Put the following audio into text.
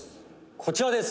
こちらです。